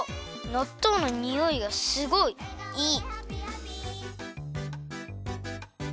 なっとうのにおいがすごいいい！